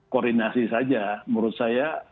koordinasi saja menurut saya